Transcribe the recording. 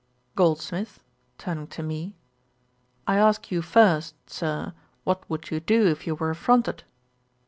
GOLDSMITH, (turning to me.) 'I ask you first, Sir, what would you do if you were affronted?'